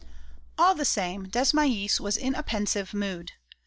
" All the same Desmahis was in a pensive mood.